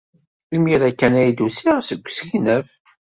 Imir-a kan ay d-usiɣ seg usegnaf.